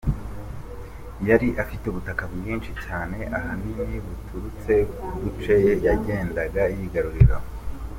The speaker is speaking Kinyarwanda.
Yari afite ubutaka bwinshi cyane ahanini buturutse ku duce yagendaga yigarurira.